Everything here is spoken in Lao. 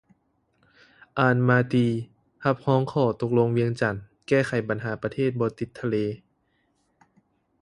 ອານມາຕີ ຮັບຮອງຂໍຕົກລົງວຽງຈັນ ແກ້ໄຂບັນຫາປະເທດບໍ່ຕິດທະເລ